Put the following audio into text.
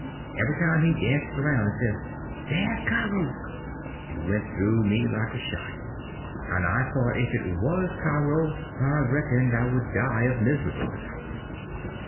Every time he danced around and says, "Dah's Cairo!" it went through me like a shot, and I thought if it was Cairo I reckoned I would die of miserableness.